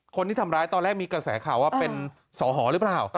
คนที่ทำร้ายตอนแรกมีกระแสข่าวว่าเป็นสอหอหรือเปล่า